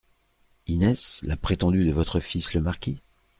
Inès, la prétendue de votre fils le marquis ?